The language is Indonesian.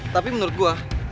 tapi menurut gue